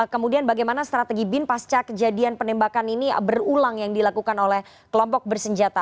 kemudian bagaimana strategi bin pasca kejadian penembakan ini berulang yang dilakukan oleh kelompok bersenjata